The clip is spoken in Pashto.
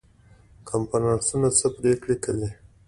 کنفرانسونه څه پریکړې کوي؟